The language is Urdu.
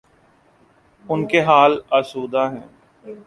ان کے حال آسودہ ہیں۔